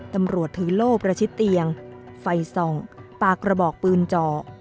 ตำรวจถือโล่ประชิดเตียงไฟส่องปากกระบอกปืนเจาะ